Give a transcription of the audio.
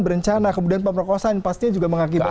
berencana kemudian pemerkosaan pastinya juga mengakibatkan